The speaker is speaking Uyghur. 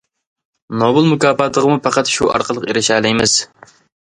نوبېل مۇكاپاتىغىمۇ پەقەت شۇ ئارقىلىق ئېرىشەلەيمىز.